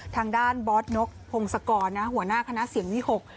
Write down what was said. ทางด้านบอสนกพงศกรหัวหน้าคณะเสียงวิหก